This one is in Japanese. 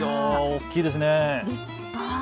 大きいですね、立派。